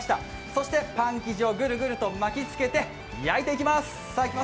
そしてパン生地をぐるぐると巻きつけて焼いていきます。